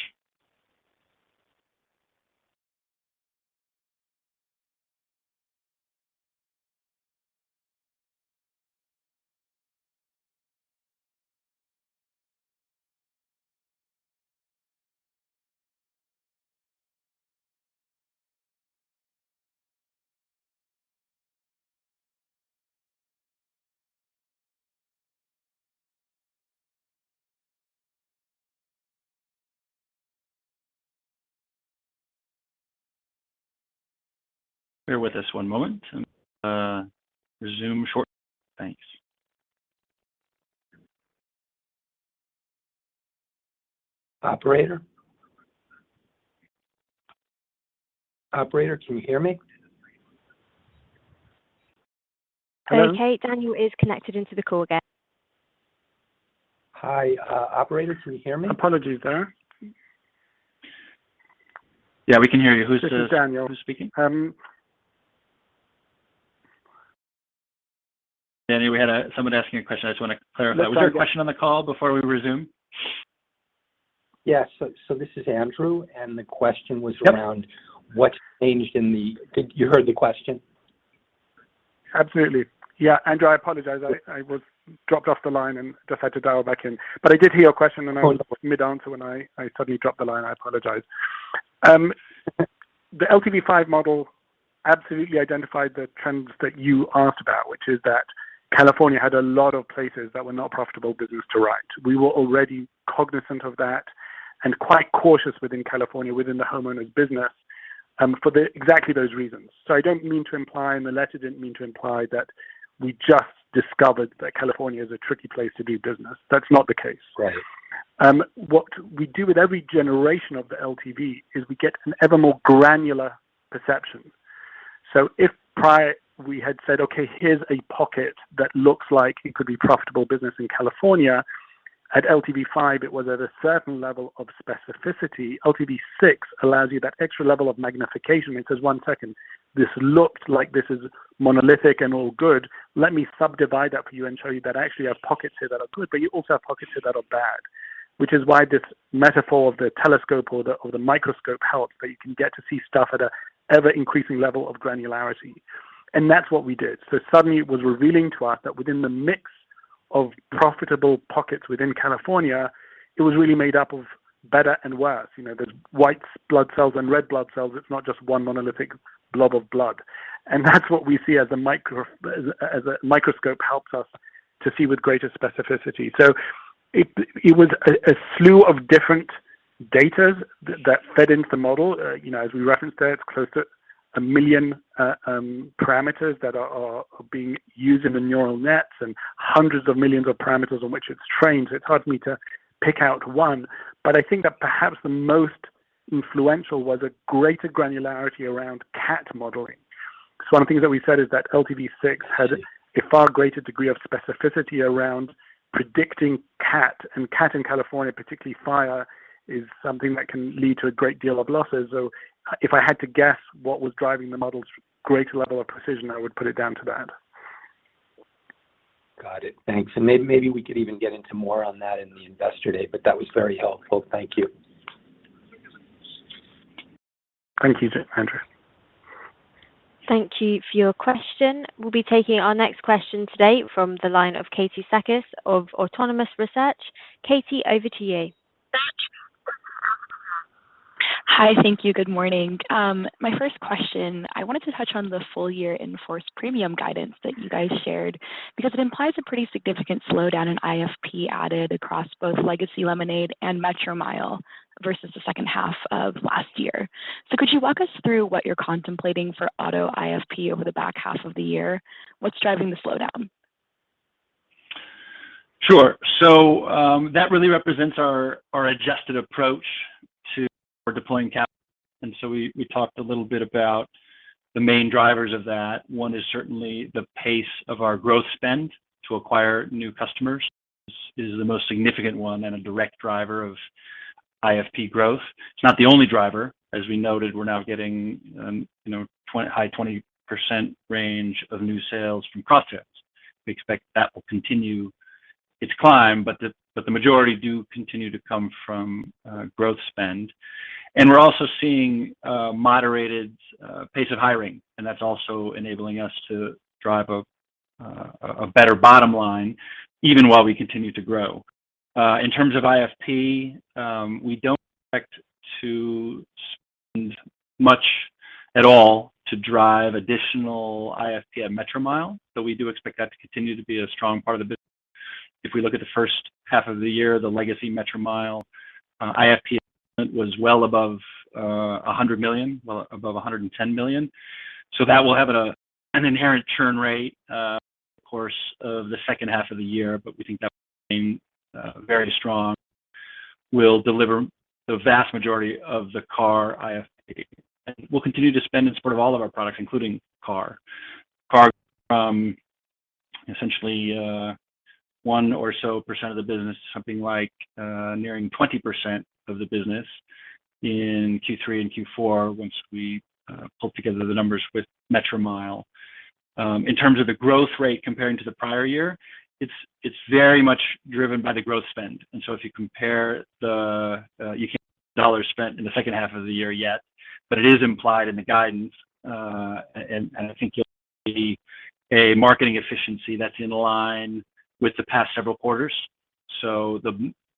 Bear with us one moment. Resume shortly. Thanks. Operator? Operator, can you hear me? Okay. Daniel is connected into the call again. Hi. Operator, can you hear me? Apologies there. Yeah, we can hear you. This is Daniel. Who's speaking? Um... Danny, we had someone asking a question. I just wanna clarify. Was there a question on the call before we resume? Yes. This is Andrew, and the question was around what changed in the. Did you hear the question? Absolutely. Yeah. Andrew, I apologize. I was dropped off the line and just had to dial back in. But I did hear your question, and I was mid-answer when I suddenly dropped the line. I apologize. The LTV5 model absolutely identified the trends that you asked about, which is that California had a lot of places that were not profitable business to write. We were already cognizant of that and quite cautious within California within the homeowners' business, for exactly those reasons. I don't mean to imply, and the letter didn't mean to imply that we just discovered that California is a tricky place to do business. That's not the case. Right. What we do with every generation of the LTV is we get an ever more granular perception. So if prior we had said, "Okay, here's a pocket that looks like it could be profitable business in California," at LTV5 it was at a certain level of specificity. LTV6 allows you that extra level of magnification that says, "One second, this looks like this is monolithic and all good. Let me subdivide that for you and show you that actually you have pockets here that are good, but you also have pockets here that are bad," which is why this metaphor of the telescope or the microscope helps, that you can get to see stuff at an ever-increasing level of granularity. That's what we did. Suddenly it was revealing to us that within the mix of profitable pockets within California, it was really made up of better and worse. You know, the white blood cells and red blood cells, it's not just one monolithic blob of blood. That's what we see as a microscope helps us to see with greater specificity. It was a slew of different data that fed into the model. You know, as we referenced there, it's close to 1 million parameters that are being used in the neural nets and hundreds of millions of parameters on which it's trained, so it's hard for me to pick out one, but I think that perhaps the most influential was a greater granularity around cat modeling. One of the things that we said is that LTV6 had a far greater degree of specificity around predicting cat, and cat in California, particularly fire, is something that can lead to a great deal of losses. If I had to guess what was driving the model's greater level of precision, I would put it down to that. Got it. Thanks. Maybe we could even get into more on that in the investor day, but that was very helpful. Thank you. Thank you, Andrew. Thank you for your question. We'll be taking our next question today from the line of Katie Sakys of Autonomous Research. Katie, over to you. Hi. Thank you. Good morning. My first question, I wanted to touch on the full year in-force premium guidance that you guys shared because it implies a pretty significant slowdown in IFP added across both Legacy Lemonade and Metromile versus the second half of last year. Could you walk us through what you're contemplating for auto IFP over the back half of the year? What's driving the slowdown? Sure. That really represents our adjusted approach to deploying capital. We talked a little bit about the main drivers of that. One is certainly the pace of our growth spend to acquire new customers is the most significant one and a direct driver of IFP growth. It's not the only driver. As we noted, we're now getting, you know, 20%-high 20% range of new sales from cross-sells. We expect that will continue its climb, but the majority do continue to come from growth spend. We're also seeing a moderated pace of hiring, and that's also enabling us to drive a better bottom line even while we continue to grow. In terms of IFP, we don't expect to spend much at all to drive additional IFP at Metromile, but we do expect that to continue to be a strong part of the business. If we look at the first half of the year, the Legacy Metromile IFP was well above $100 million, well above $110 million. That will have an inherent churn rate over the course of the second half of the year, but we think that will remain very strong. We'll deliver the vast majority of the car IFP. We'll continue to spend in support of all of our products, including car. Car from essentially 1% or so of the business to something like nearing 20% of the business in Q3 and Q4 once we pull together the numbers with Metromile. In terms of the growth rate comparing to the prior year, it's very much driven by the growth spend. If you compare the actual dollars spent in the second half of the year yet, but it is implied in the guidance. I think you'll see a marketing efficiency that's in line with the past several quarters.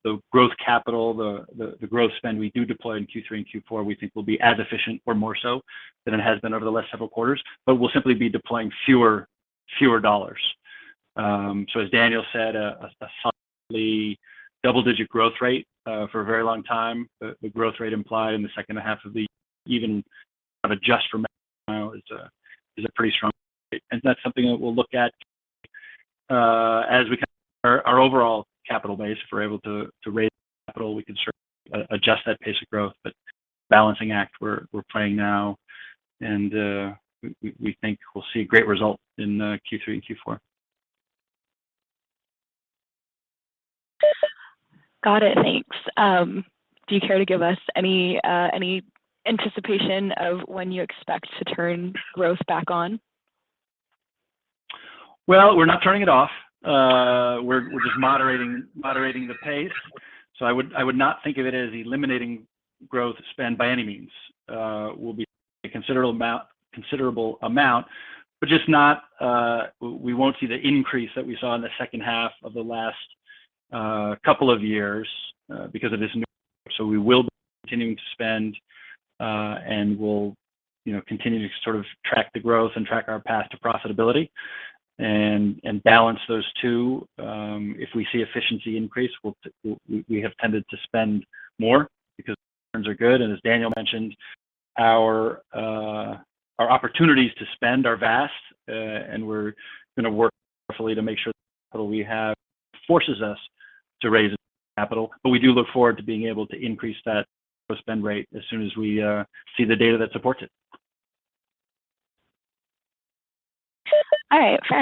The growth capital, the growth spend we do deploy in Q3 and Q4, we think will be as efficient or more so than it has been over the last several quarters. We'll simply be deploying fewer dollars. As Daniel said, a slightly double-digit growth rate for a very long time. The growth rate implied in the second half, even adjusted for Metromile, is a pretty strong rate. That's something that we'll look at as we our overall capital base. If we're able to raise capital, we can certainly adjust that pace of growth. Balancing act, we're playing now and we think we'll see great results in Q3 and Q4. Got it. Thanks. Do you care to give us any anticipation of when you expect to turn growth back on? Well, we're not turning it off. We're just moderating the pace. I would not think of it as eliminating growth spend by any means. We'll be a considerable amount, but just not, we won't see the increase that we saw in the second half of the last couple of years, because of this new. We will be continuing to spend, and we'll, you know, continue to sort of track the growth and track our path to profitability and balance those two. If we see efficiency increase, we have tended to spend more because returns are good. As Daniel mentioned, our opportunities to spend are vast, and we're gonna work carefully to make sure that it forces us to raise capital. We do look forward to being able to increase that spend rate as soon as we see the data that supports it. All right. Fair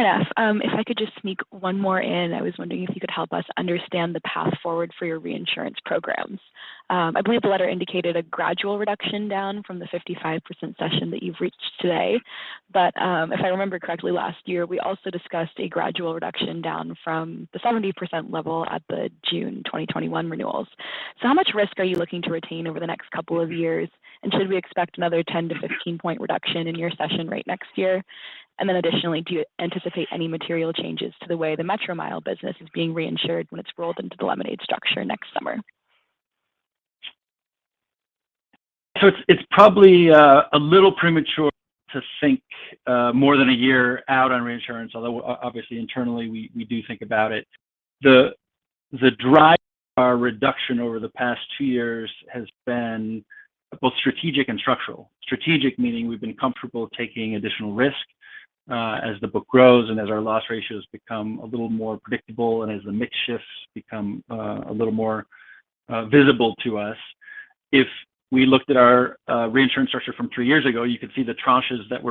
enough. If I could just sneak one more in. I was wondering if you could help us understand the path forward for your reinsurance programs. I believe the letter indicated a gradual reduction down from the 55% cession that you've reached today. If I remember correctly, last year, we also discussed a gradual reduction down from the 70% level at the June 2021 renewals. How much risk are you looking to retain over the next couple of years? And should we expect another 10 to 15-point reduction in your cession rate next year? And then additionally, do you anticipate any material changes to the way the Metromile business is being reinsured when it's rolled into the Lemonade structure next summer? It's probably a little premature to think more than a year out on reinsurance, although obviously internally, we do think about it. The drive our reduction over the past two years has been both strategic and structural. Strategic meaning we've been comfortable taking additional risk. As the book grows and as our loss ratios become a little more predictable and as the mix shifts become a little more visible to us, if we looked at our reinsurance structure from three years ago, you could see the tranches that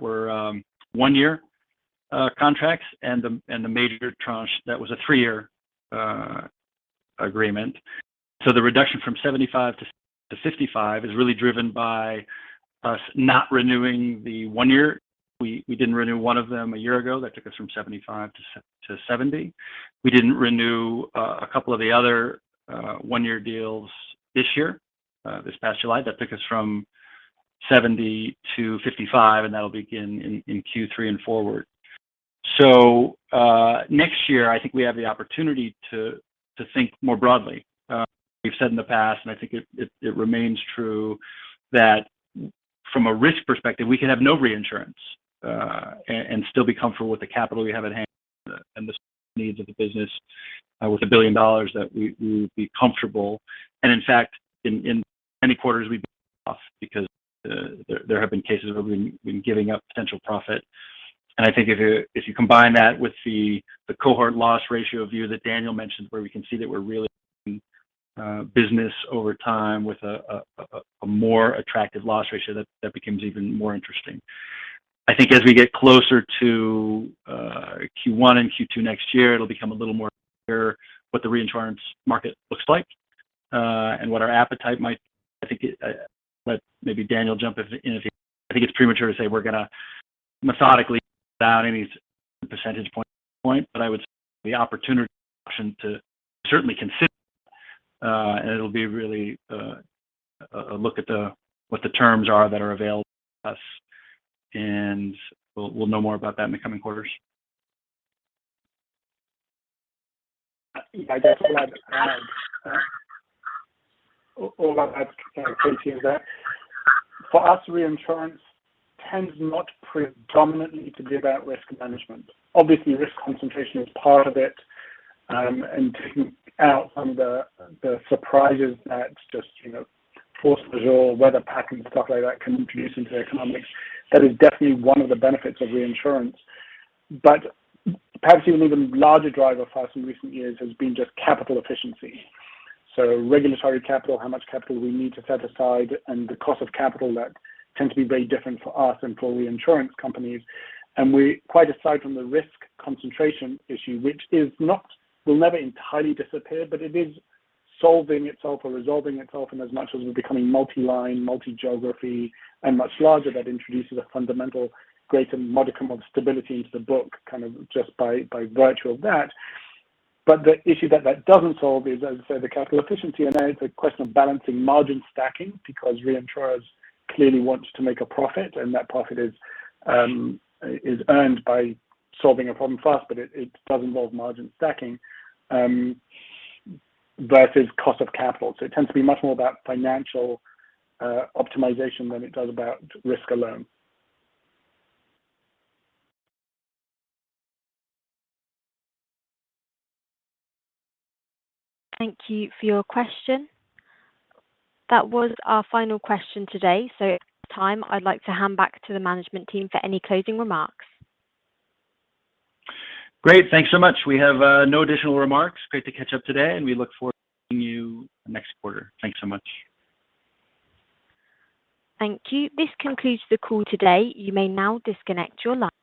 were one-year contracts and the major tranche that was a three-year agreement. The reduction from 75% to 55% is really driven by us not renewing the one-year. We didn't renew one of them a year ago. That took us from 75% to 70%. We didn't renew a couple of the other one-year deals this year, this past July. That took us from 70% to 55%, and that'll begin in Q3 and forward. Next year, I think we have the opportunity to think more broadly. We've said in the past, and I think it remains true, that from a risk perspective, we can have no reinsurance and still be comfortable with the capital we have at hand and the needs of the business. With $1 billion that we would be comfortable. In fact, in many quarters we've lost because there have been cases where we've been giving up potential profit. I think if you combine that with the cohort loss ratio view that Daniel mentioned, where we can see that we're really business over time with a more attractive loss ratio, that becomes even more interesting. I think as we get closer to Q1 and Q2 next year, it'll become a little more clear what the reinsurance market looks like and what our appetite might. I think I'll let maybe Daniel jump in if he wants. I think it's premature to say we're going to methodically without any percentage point, but I would say the opportunity option to certainly consider, and it'll be really a look at what the terms are that are available to us, and we'll know more about that in the coming quarters. If I just add all that to that. For us, reinsurance tends not predominantly to be about risk management. Obviously, risk concentration is part of it and taking out some of the surprises that just force majeure, weather patterns, stuff like that can introduce into economics. That is definitely one of the benefits of reinsurance. Perhaps even a larger driver for us in recent years has been just capital efficiency. Regulatory capital, how much capital we need to set aside, and the cost of capital that tends to be very different for us and for reinsurance companies. We quite aside from the risk concentration issue, which is not, will never entirely disappear, but it is solving itself or resolving itself in as much as we're becoming multi-line, multi-geography, and much larger. That introduces a fundamentally greater modicum of stability into the book, kind of just by virtue of that. The issue that that doesn't solve is, as I say, the capital efficiency, and then it's a question of balancing margin stacking because reinsurers clearly want to make a profit, and that profit is earned by solving a problem for us, but it does involve margin stacking versus cost of capital. It tends to be much more about financial optimization than it does about risk alone. Thank you for your question. That was our final question today. At this time, I'd like to hand back to the management team for any closing remarks. Great. Thanks so much. We have no additional remarks. Great to catch up today, and we look forward to seeing you next quarter. Thanks so much. Thank you. This concludes the call today. You may now disconnect your line.